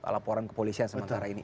laporan kepolisian sementara ini